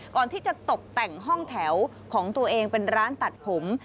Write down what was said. ก่อนที่จะตกแต่งห้องแถวของตัวเองเป็นร้านตัดผม